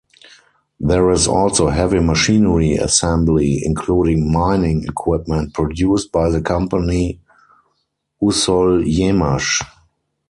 There is also heavy machinery assembly, including mining equipment produced by the company "Usolyemash".